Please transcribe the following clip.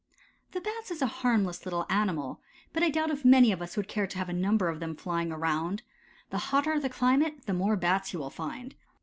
The Bat is a harmless little animal, but I doubt if many of us would care to have a number of them flying around. The hotter the climate the more Bats you will find.